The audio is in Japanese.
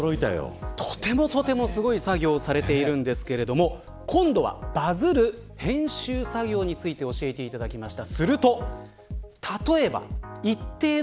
とてもすごい作業をされているんですが今度はバズる編集作業について教えていただきました。